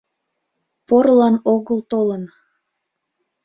Порылан огыл толын...